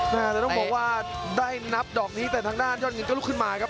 แต่ต้องบอกว่าได้นับดอกนี้แต่ทางด้านยอดเงินก็ลุกขึ้นมาครับ